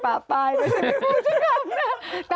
แผ่นดินไหวยังคะแผ่นดินไหวยังคะ